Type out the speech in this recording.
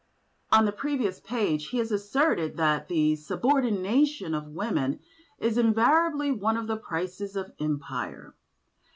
On the previous page he has asserted that "the subordination of women is invariably one of the prices of Empire."